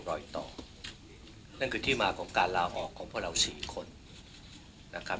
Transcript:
รอยต่อนั่นคือที่มาของการลาออกของพวกเราสี่คนนะครับ